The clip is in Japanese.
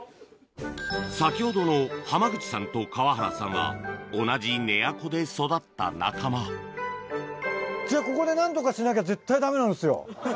先ほどの濱口さんと川原さんは同じ寝屋子で育った仲間じゃあここで何とかしなきゃ絶対ダメなんですよ。